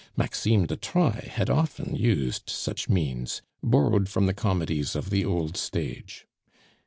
Maxime de Trailles had often used such means, borrowed from the comedies of the old stage.